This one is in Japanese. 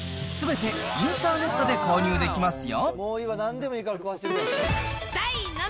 すべてインターネットで購入できますよ。